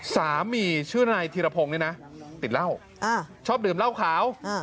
สามีชื่อนายธีรพงศ์นี่นะติดเหล้าชอบดื่มเหล้าขาว